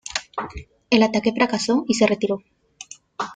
El ataque fracasó y se retiró.